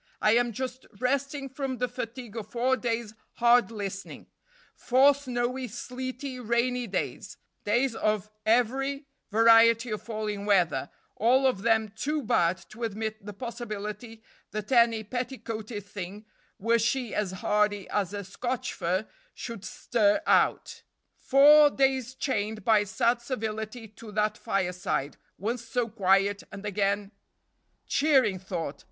I am just resting from the fatigue of four days' hard listening four snowy, sleety, rainy days; days of every variety of falling weather, all of them too bad to admit the possibility that any petticoated thing, were she as hardy as a Scotch fir, should stir out; four days chained by 'sad civility' to that fireside, once so quiet, and again cheering thought!